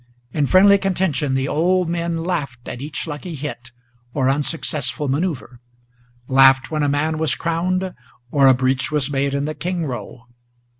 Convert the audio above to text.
In friendly contention the old men Laughed at each lucky hit, or unsuccessful manoeuver, Laughed when a man was crowned, or a breach was made in the king row.